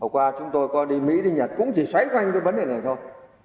hồi qua chúng tôi có đi mỹ đi nhật cũng chỉ xoáy quanh vấn đề này thôi